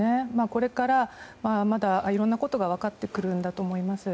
これから、まだいろんなことが分かってくるんだと思います。